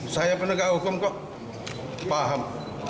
saya penegak hukum kok paham